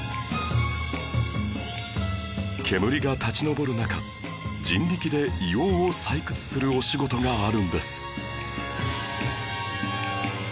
煙が立ち上る中人力で硫黄を採掘するお仕事があるんです